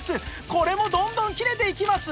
これもどんどん切れていきます